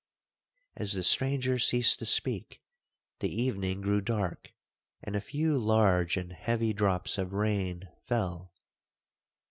'As the stranger ceased to speak, the evening grew dark, and a few large and heavy drops of rain fell.